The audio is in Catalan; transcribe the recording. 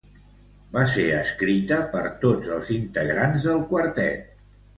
Va ser escrita per tots els integrants del quartet.